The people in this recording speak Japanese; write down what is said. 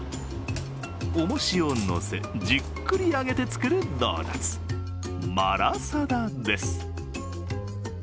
おもしを乗せ、じっくり揚げて作るドーナツ、マラサダです。